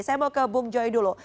saya mau ke bung joy dulu